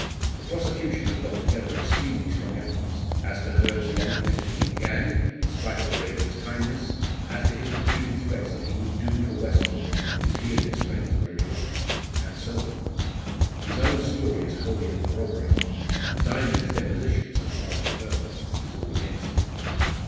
The prosecution have got together extremely strong evidence as to Hurd's long connection with the gang, in spite of the Raeburns' kindness as to his repeated threats that he would 'do for' Westall if he and his friends were interrupted and so on. His own story is wholly uncorroborated; and Dynes's deposition, so far as it goes, is all against it."